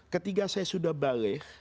ketika saya sudah balik